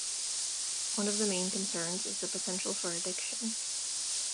One of the main concerns is the potential for addiction.